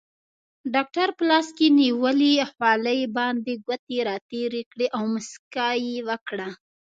ډاکټر په لاس کې نیولې خولۍ باندې ګوتې راتېرې کړې او موسکا یې وکړه.